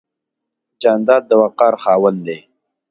جانداد د وقار خاوند دی.